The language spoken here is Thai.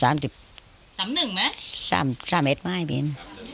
๓๑ไม่เป็น